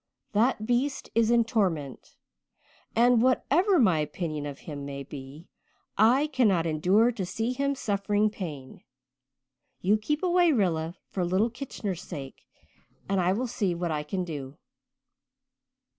"That beast is in torment, and whatever my opinion of him may be, I cannot endure to see him suffering pain. You keep away, Rilla, for little Kitchener's sake, and I will see what I can do."